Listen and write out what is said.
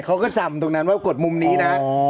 เขาก็จำตรงนั้นว่ากดมุมนี้นะ